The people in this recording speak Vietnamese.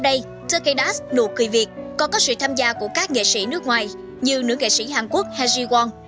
đặc biệt năm nay tkdas nụ cười việt còn có sự tham gia của các nghệ sĩ nước ngoài như nữ nghệ sĩ hàn quốc hye ji won